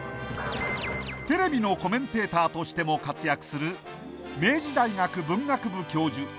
テレビのコメンテーターとしても活躍する明治大学文学部教授